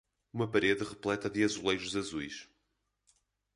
Uma parede repleta de azulejos azuis